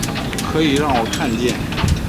可以让我看见